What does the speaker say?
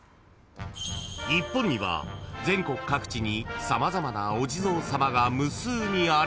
［日本には全国各地に様々なお地蔵さまが無数にあれ